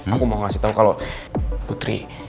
aku mau kasih tau kalo putri